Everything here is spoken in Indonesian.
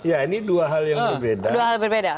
ya ini dua hal yang berbeda